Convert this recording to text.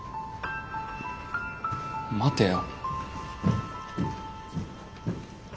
待てよ。